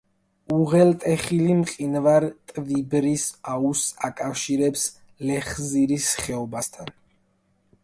უღელტეხილი მყინვარ ტვიბერის აუზს აკავშირებს ლეხზირის ხეობასთან.